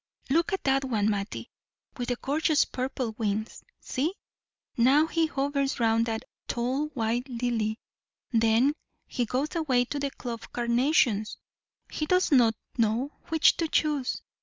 Look at that one, Mattie, with the gorgeous purple wings; see, now he hovers round that tall, white lily, then he goes away to the clove carnations; he does not know which to choose.